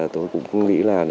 tôi cũng nghĩ là